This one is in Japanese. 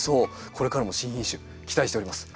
これからも新品種期待しております。